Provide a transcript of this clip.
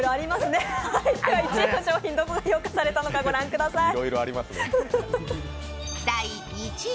１位の商品どこが評価されたのかご覧ください。